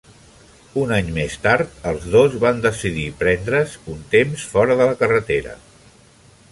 Un any més tard, els dos van decidir prendre"s un temps fora de la carretera.